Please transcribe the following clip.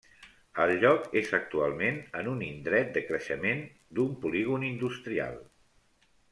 El lloc és actualment en un indret de creixement d'un polígon industrial.